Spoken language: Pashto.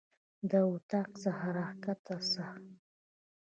د اطاق څخه راکښته سه.